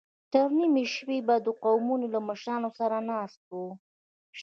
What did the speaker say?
تر نيمې شپې به د قومونو له مشرانو سره ناست و.